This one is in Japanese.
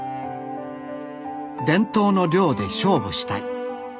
伝統の漁で勝負したい。